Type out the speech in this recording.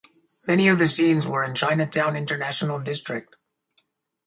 Many of the scenes were in Chinatown–International District.